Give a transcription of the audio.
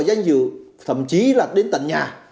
danh dự thậm chí là đến tận nhà